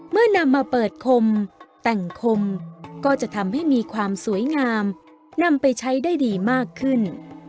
เมื่อนำมาเปิดคมแต่งคมก็จะทำให้มีความสวยงามนำไปใช้ได้ดีมากขึ้น